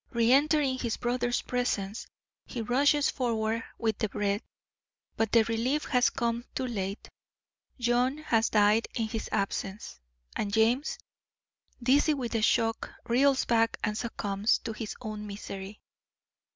Re entering his brother's presence, he rushes forward with the bread. But the relief has come too late; John has died in his absence; and James, dizzy with the shock, reels back and succumbs to his own misery.